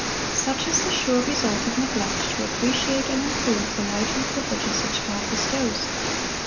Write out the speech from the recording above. Such is the sure result of neglect to appreciate and improve the light and privileges which God bestows.